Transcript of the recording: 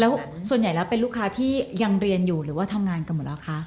แล้วส่วนใหญ่แล้วเป็นลูกค้าที่ยังเรียนอยู่หรือว่าทำงานกันหมดแล้วคะ